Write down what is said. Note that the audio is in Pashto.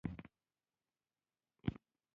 دا درې ورځې زما د ژوند تر ټولو غوره ورځې وې